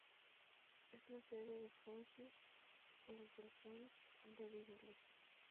Es la sede de Fungi el delfín de Dingle.